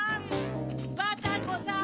バタコさん！